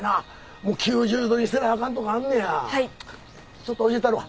ちょっと教えたるわ。